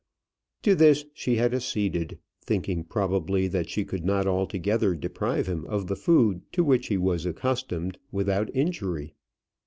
To this she had acceded, thinking probably that she could not altogether deprive him of the food to which he was accustomed without injury.